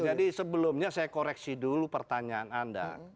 nah jadi sebelumnya saya koreksi dulu pertanyaan anda